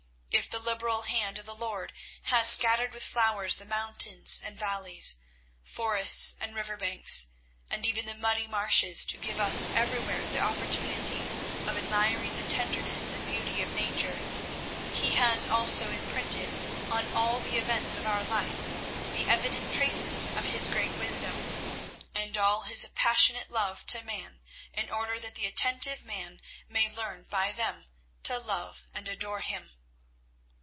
If the liberal hand of the Lord has scattered with flowers the mountains and valleys, forests and river banks, and even the muddy marshes, to give us everywhere the opportunity of admiring the tenderness and beauty of nature, He has also imprinted on all the events of our life the evident traces of His great wisdom, and all His passionate love to man in order that the attentive man may learn by them to love and adore Him.